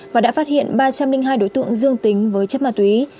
và đã phát hiện ba trăm linh hai đối tượng dương tính với chất ma túy